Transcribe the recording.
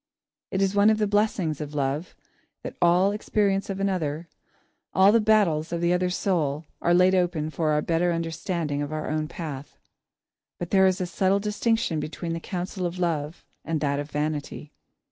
It is one of the blessings of love, that all the experience of another, all the battles of the other soul, are laid open for our better understanding of our own path. But there is a subtle distinction between the counsel of love and that of vanity.